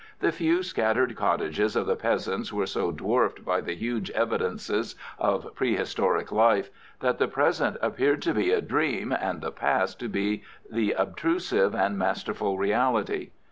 The few scattered cottages of the peasants were so dwarfed by the huge evidences of prehistoric life, that the present appeared to be a dream and the past to be the obtrusive and masterful reality.